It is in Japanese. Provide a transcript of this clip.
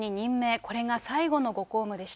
これが最後のご公務でした。